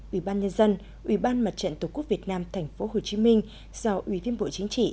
ủy ban nhân dân ủy ban mặt trận tổ quốc việt nam tp hcm do ủy viên bộ chính trị